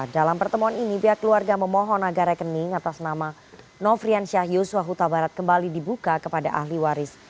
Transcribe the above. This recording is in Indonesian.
dalam pertemuan ini pihak keluarga memohon agar rekening atas nama nofrian syah yusua huta barat kembali dibuka kepada ahli waris